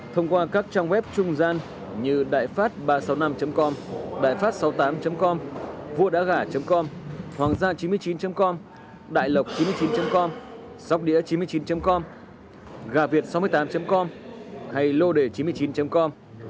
thông qua các trang web trung gian như đại phát ba trăm sáu mươi năm com đại phát sáu mươi tám com vuađãgả com hoàng gia chín mươi chín com đại lộc chín mươi chín com sócđĩa chín mươi chín com gàviệt sáu mươi tám com hay lôđề chín mươi chín com